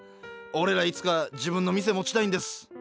おれらいつか自分の店持ちたいんです。